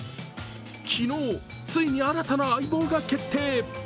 昨日、ついに新たな相棒が決定。